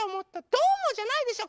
どうもじゃないでしょ。